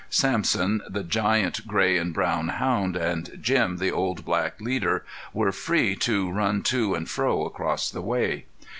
Sampson, the giant gray and brown hound, and Jim, the old black leader, were free to run to and fro across the way.